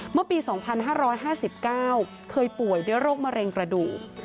เมื่อปี๒๕๕๙เคยป่วยด้วยโรคมะเร็งกระดูก